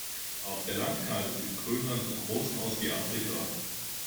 Auf der Landkarte sieht Grönland so groß aus wie Afrika.